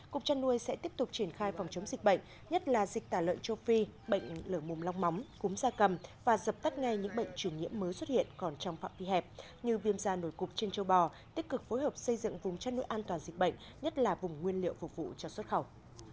cục chăn nuôi sẽ tiếp tục triển khai phòng chống dịch bệnh nhất là dịch tả lợn châu phi bệnh lửa mồm long móng cúm da cầm và dập tắt ngay những bệnh truyền nhiễm mới xuất hiện còn trong phạm vi hẹp như viêm da nổi cục trên châu bò tích cực phối hợp xây dựng vùng chăn nuôi an toàn dịch bệnh nhất là vùng nguyên liệu phục vụ cho xuất khẩu